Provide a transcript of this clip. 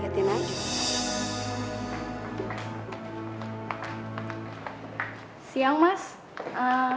lo pikir sejak kapan gue takut sama lo